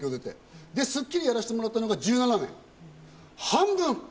東京へ出て、『スッキリ』をやらせてもらったのが１７年、半分。